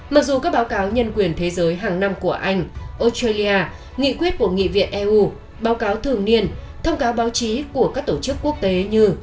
mặc dù các báo cáo nhân quyền thế giới hàng năm của anh australia nghị quyết của nghị viện eu báo cáo thường niên thông cáo báo chí của các tổ chức quốc tế như